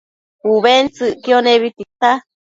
ubentsëcquio nebi tita